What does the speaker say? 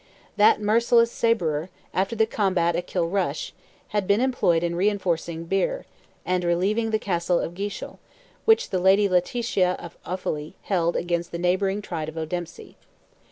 That merciless saberer, after the combat at Kilrush, had been employed in reinforcing Birr, and relieving the Castle of Geashill, which the Lady Letitia of Offally held against the neighbouring tribe of O'Dempsey.